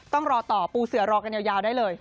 ต้องรอต่อปูเสือรอกันยาวได้เลย